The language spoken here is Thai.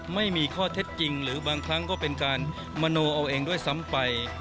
ไม่มีข้อเท็จจริงหรือบางครั้งก็เป็นการมโนเอาเองด้วยซ้ำไป